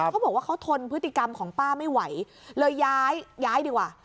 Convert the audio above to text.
เขาบอกว่าเขาทนพฤติกรรมของป้าไม่ไหวเลยย้ายดีกว่า